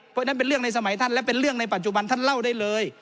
เพราะฉะนั้นเป็นเรื่องในสมัยท่านและเป็นเรื่องในปัจจุบันท่านเล่าได้เลย